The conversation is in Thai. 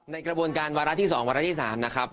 ในกระบวนการวาระที่๒วาระที่๓นะครับ